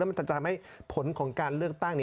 มันจะทำให้ผลของการเลือกตั้ง